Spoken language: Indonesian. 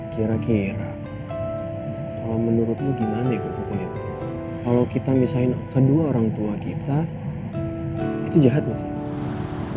kira kira kalo menurut lo gimana ya kakak gue kalo kita misahin kedua orang tua kita itu jahat gak sih